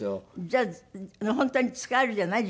じゃあ本当に使えるじゃない？